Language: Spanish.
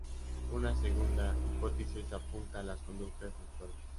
Una segunda hipótesis apunta a las conductas sexuales.